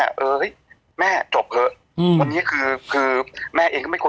มันแม่จบแล้ววันนี้คือแม่เองก็ไม่ควร